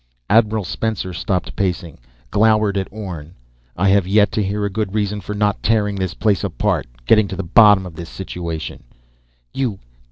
Admiral Spencer stopped pacing, glowered at Orne. "I have yet to hear a good reason for not tearing this place apart ... getting to the bottom of this situation." "You